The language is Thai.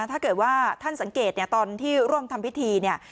ถ้าเกิดว่าท่านสังเกตเนี่ยตอนที่ร่วมทำพิธีเนี่ย